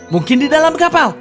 mungkin di dalam kapal